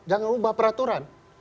jangan ubah peraturan